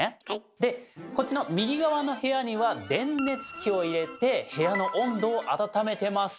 でこっちの右側の部屋には電熱器を入れて部屋の温度をあたためてます。